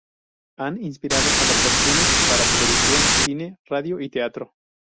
Han inspirado adaptaciones para televisión, cine, radio y teatro.